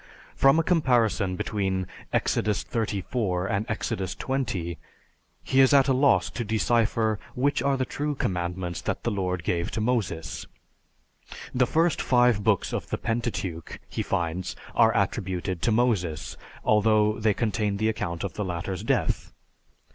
From a comparison between Exodus XXXIV and Exodus XX, he is at a loss to decipher which are the true commandments that the Lord gave to Moses. The first five books of the Pentateuch, he finds, are attributed to Moses, although they contain the account of the latter's death.